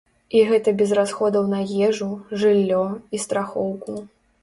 І гэта без расходаў на ежу, жыллё, і страхоўку.